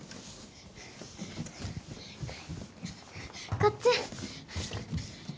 こっち！